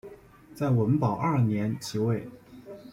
在文保二年即位。